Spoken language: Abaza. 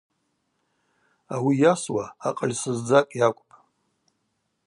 Ауи йасуа акъыльсыздзакӏ йакӏвпӏ.